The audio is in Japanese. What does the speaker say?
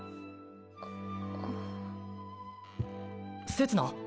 せつな？